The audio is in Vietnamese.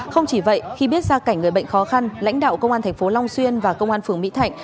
không chỉ vậy khi biết gia cảnh người bệnh khó khăn lãnh đạo công an thành phố long xuyên và công an phường mỹ thạnh